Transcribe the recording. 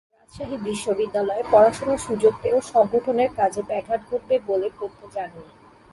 রাজশাহী বিশ্ববিদ্যালয়ে পড়াশোনার সুযোগ পেয়েও সংগঠনের কাজে ব্যাঘাত ঘটবে বলে পড়তে যাননি।